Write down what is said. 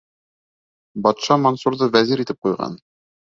Батша Мансурҙы вәзир итеп ҡуйған.